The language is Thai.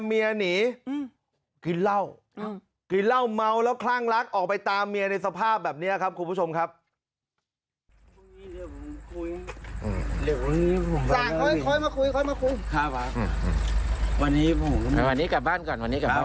วันนี้กลับบ้านก่อนวันนี้กลับบ้านก่อน